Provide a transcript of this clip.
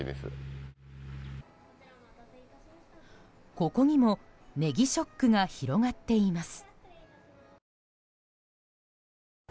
ここにもネギショックが広がっています。